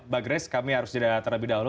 mbak grace kami harus jadi alat terlebih dahulu